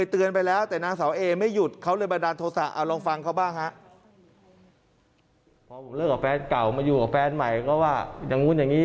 พอผมเลิกกับแฟนเก่ามาอยู่กับแฟนใหม่ก็ว่าอย่างนู้นอย่างนี้